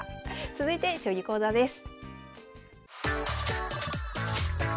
続いて将棋講座です。